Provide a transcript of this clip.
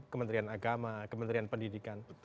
kementerian agama kementerian pendidikan